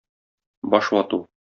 Баш вату.